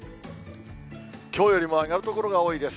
きょうよりも上がる所が多いです。